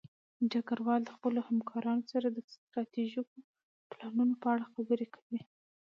ډګروال د خپلو همکارانو سره د ستراتیژیکو پلانونو په اړه خبرې کوي.